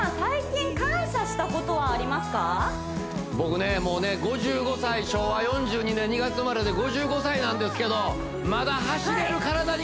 森脇さん僕ねもうね５５歳昭和４２年２月生まれで５５歳なんですけどあ